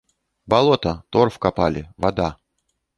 Балота, торф капалі, вада.